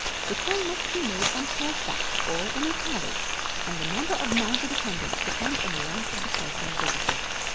The call must be made on horseback or in a carriage, and the number of mounted attendants depends on the rank of the person visited.